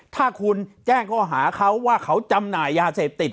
ถ้าคุณแจ้งข้อหาเขาว่าเขาจำหน่ายยาเสพติด